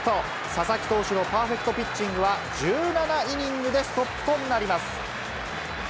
佐々木投手のパーフェクトピッチングは１７イニングでストップとなります。